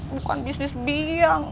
bukan bisnis biang